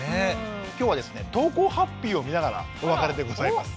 今日はですね投稿ハッピーを見ながらお別れでございます。